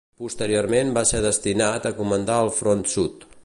Posteriorment va ser destinat a comandar el Front Sud.